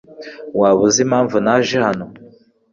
Waba uzi impamvu naje hano?